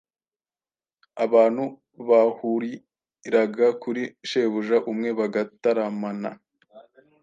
abantu bahuriraga kuri shebuja umwe bagataramana